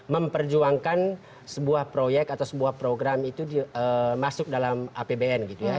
memperjuangkan sebuah proyek atau sebuah program itu masuk dalam apbn gitu ya